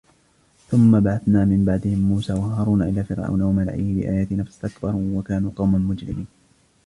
ثم بعثنا من بعدهم موسى وهارون إلى فرعون وملئه بآياتنا فاستكبروا وكانوا قوما مجرمين